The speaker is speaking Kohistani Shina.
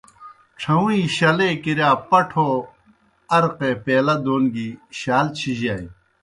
ڇَھہُوئِیں شالے کِرِیا پٹھوعرقے پیلہ دون گیْ شال چِھجانیْ۔